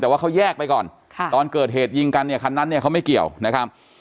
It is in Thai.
แต่ว่าเขาแยกไปก่อนตอนเกิดเหตุยิงกันเนี่ยคันนั้นเนี่ยเขาไม่เกี่ยวนะครับ